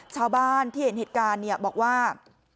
ชาวบ้านที่เห็นเหตุการณ์บอกว่า